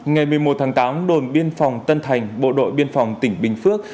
ngày một mươi một tháng tám đồn biên phòng tân thành bộ đội biên phòng tỉnh bình phước